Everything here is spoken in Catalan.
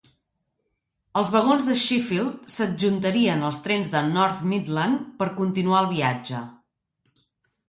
Els vagons de Sheffield s'adjuntarien als trens de North Midland per continuar el viatge.